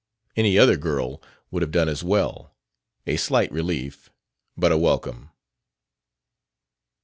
Any other girl would have done as well. A slight relief, but a welcome.